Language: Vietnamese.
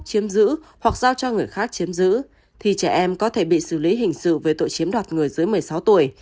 chiếm giữ hoặc giao cho người khác chiếm giữ thì trẻ em có thể bị xử lý hình sự về tội chiếm đoạt người dưới một mươi sáu tuổi